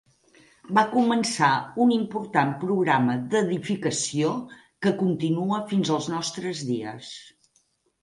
Va començar un important programa d'edificació que continua fins als nostres dies.